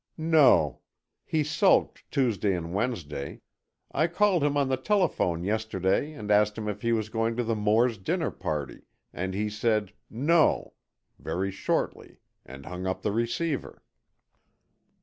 "No. He sulked Tuesday and Wednesday. I called him on the telephone yesterday and asked him if he was going to the Moores' dinner party, and he said 'No,' very shortly and hung up the receiver."